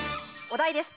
お題です